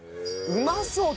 うまそう！